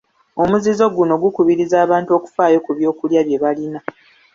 Omuzizo guno gukubiriza bantu kufaayo ku byokulya bye balina.